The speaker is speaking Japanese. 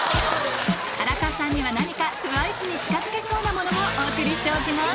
荒川さんには何かＴＷＩＣＥに近づけそうなものをお送りしておきます